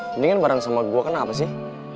mendingan bareng sama gue kenapa sih